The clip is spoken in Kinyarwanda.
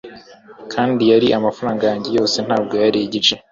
Kandi yari amafaranga yanjyeyoroshye ntabwo ari igice